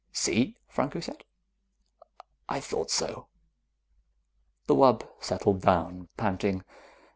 "See," Franco said. "I thought so." The wub settled down, panting.